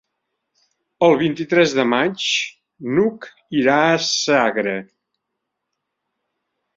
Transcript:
El vint-i-tres de maig n'Hug irà a Sagra.